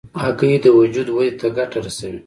هګۍ د وجود ودې ته ګټه رسوي.